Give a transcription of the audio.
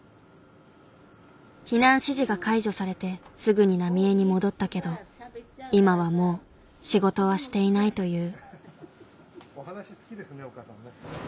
避難指示が解除されてすぐに浪江に戻ったけど今はもう仕事はしていないという。